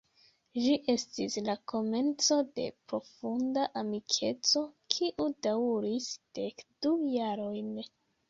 Ĝi estis la komenco de profunda amikeco kiu daŭris dek du jarojn.